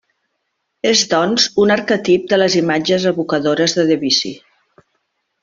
És doncs, un arquetip de les imatges evocadores de Debussy.